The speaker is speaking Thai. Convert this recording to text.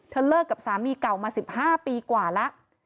เลิกกับสามีเก่ามา๑๕ปีกว่าแล้ว